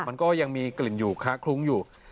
มันก็ยังมีกลิ่นอยู่ค้าคลุ้งอยู่